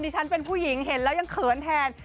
ฉันเป็นผู้หญิงเห็นแล้วยังเขินแทน